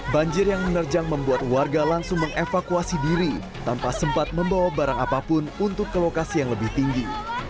banjir yang menerjang membuat warga langsung mengevakuasi diri tanpa sempat membawa barang apapun untuk ke lokasi yang lebih tinggi